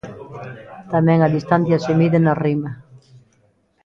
Tamén a distancia se mide na rima.